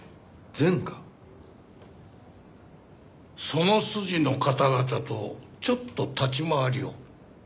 その筋の方々とちょっと立ち回りを。